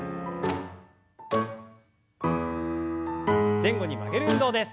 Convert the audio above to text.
前後に曲げる運動です。